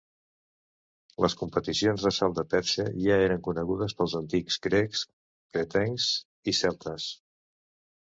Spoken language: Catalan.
Les competicions de salt de perxa ja eren conegudes pels antics grecs, cretencs i celtes.